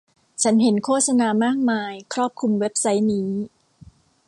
ฉันเห็นโฆษณามากมายครอบคลุมเว็บไซต์นี้